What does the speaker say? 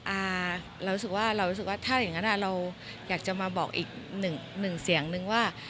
อ่าเรารู้สึกว่าถ้าอย่างงั้นอ่าเราอยากจะมาบอกอีกหนึ่งเสียงนึงว่า